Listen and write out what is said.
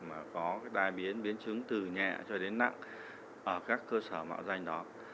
mà có cái tai biến biến chứng từ nhẹ cho đến nặng ở các cơ sở mạo danh đó